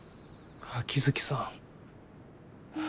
秋月さん。